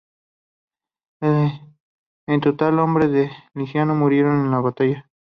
En total, hombres de Licinio murieron en la batalla.